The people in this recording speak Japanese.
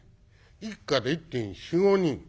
一家で１．４１．５人。